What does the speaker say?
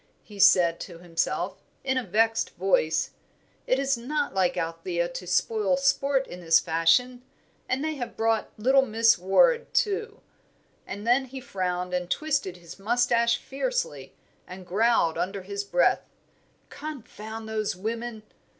he said to himself, in a vexed voice. "It is not like Althea to spoil sport in this fashion. And they have brought little Miss Ward, too," and then he frowned and twisted his moustache fiercely, and growled under his breath, "Confound those women!"